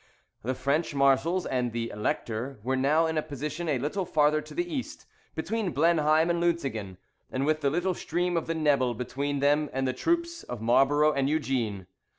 The French marshals and the Elector were now in position a little farther to the east, between Blenheim and Lutzingen, and with the little stream of the Nebel between them and the troops of Marlborough and Eugene.